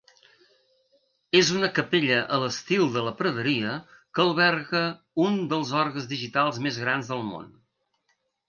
És una capella a l'estil de la praderia que alberga un dels orgues digitals més grans del món.